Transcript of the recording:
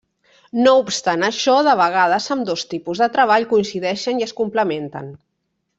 No obstant això, de vegades ambdós tipus de treball coincideixen i es complementen.